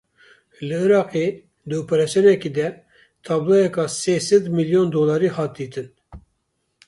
Li Iraqê di operasyonekê de tabloyeka sê sed milyon dolarî hat dîtin.